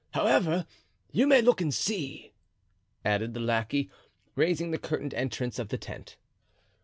However, you may look and see," added the lackey, raising the curtained entrance of the tent.